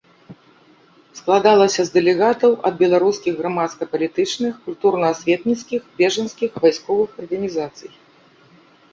Складалася з дэлегатаў ад беларускіх грамадска-палітычных, культурна-асветніцкіх, бежанскіх, вайсковых арганізацый.